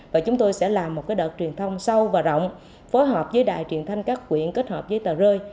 và chúng tôi sẽ làm một đợt truyền thông sâu và rộng phối hợp với đài truyền thanh các quyện kết hợp với tờ rơi